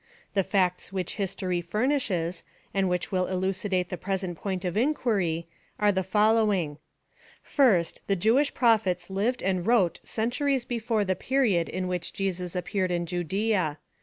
Tie facts which history furnishes, and which will elucidate the present point of inquiry, ire the following : First, the Jewish prophets lived and wrote centuries before the period in which Jesus appeared in Judea.